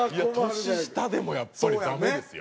年下でもやっぱりダメですよ。